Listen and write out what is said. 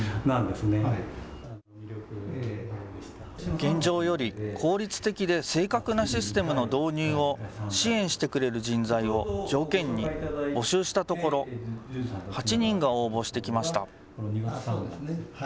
現状より効率的で正確なシステムの導入を支援してくれる人材を条件に募集したところ、８人が応募してきました。